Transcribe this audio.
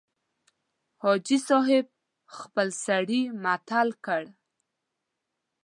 حاجي صاحب خپل سړي معطل کړل.